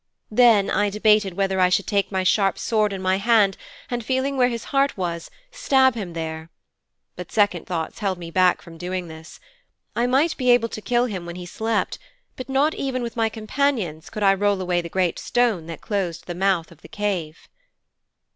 Then I debated whether I should take my sharp sword in my hand, and feeling where his heart was, stab him there. But second thoughts held me back from doing this. I might be able to kill him as he slept, but not even with my companions could I roll away the great stone that closed the mouth of the cave.'